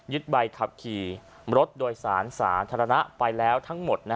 ใบขับขี่รถโดยสารสาธารณะไปแล้วทั้งหมด